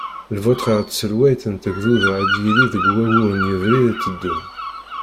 Lvot ɣef tselwayt n tegduda ad d-yili deg waggur n Yebrir id-teddun.